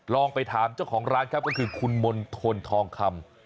ลองไปถามเจ้าของร้านครับก็คือคุณมณฑลทองคำ